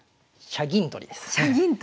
車銀取りですね。